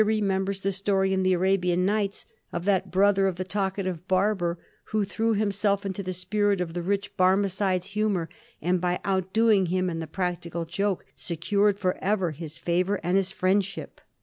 remembers the story in the ^ Arabian Nights ' of that brother of the talkative barber who threw himself into the spirit of the rich Barmecide's hmnour, and by outdoing him in the practical joke secured for ever his favour and his friendship.